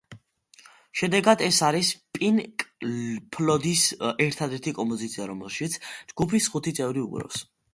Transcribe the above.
შედეგად, ეს არის პინკ ფლოიდის ერთადერთი კომპოზიცია, რომელშიც ჯგუფის ხუთი წევრი უკრავს.